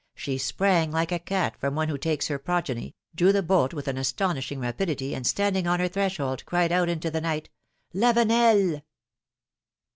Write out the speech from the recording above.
She sprang like a cat from whom one takes her progeny, drew the bolt with an astonishing rapidity, and standing on her threshold, cried out into the night: Lavenel